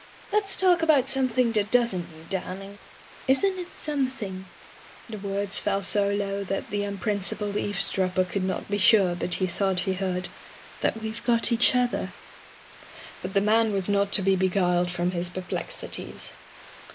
"Let's talk about something that doesn't need danming. Isn't it something —" the words fell so low that the unprincipled eavesdropper could not be sure, but he thought he heard — "that we've got each other?" Digitized by LjOOQ IC By the Sawyer Method But the man was not to be beguiled from his perplexities.